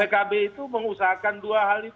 jadi pkb itu mengusahakan dua hal